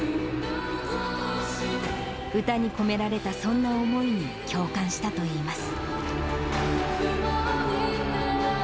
歌に込められたそんな思いに共感したといいます。